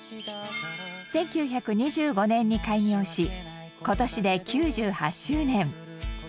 １９２５年に開業し今年で９８周年。